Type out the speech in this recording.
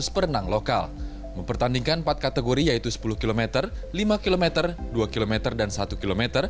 dua belas perenang lokal mempertandingkan empat kategori yaitu sepuluh km lima km dua km dan satu km